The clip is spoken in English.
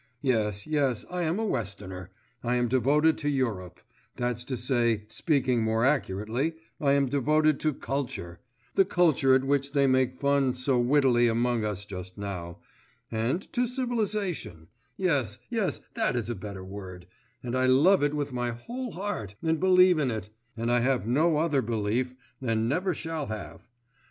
Yes, yes, I am a Westerner, I am devoted to Europe: that's to say, speaking more accurately, I am devoted to culture the culture at which they make fun so wittily among us just now and to civilisation yes, yes, that is a better word and I love it with my whole heart and believe in it, and I have no other belief, and never shall have.